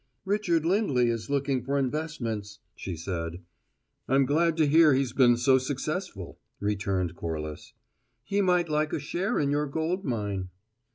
"Richard Lindley is looking for investments," she said. "I'm glad to hear he's been so successful," returned Corliss. "He might like a share in your gold mine."